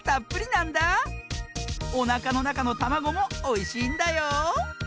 おなかのなかのたまごもおいしいんだよ！